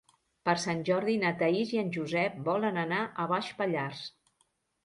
Per Sant Jordi na Thaís i en Josep volen anar a Baix Pallars.